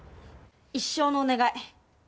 一生のお願い。